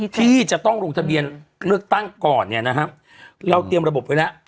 ที่จะต้องลงทะเบียนเลือกตั้งก่อนเราเตรียมระบบไว้แล้ว